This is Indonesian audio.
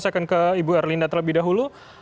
saya akan ke ibu erlina terlebih dahulu